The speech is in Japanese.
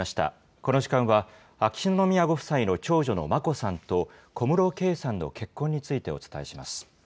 この時間は、秋篠宮ご夫妻の長女の眞子さんと、小室圭さんの結婚についてお伝えします。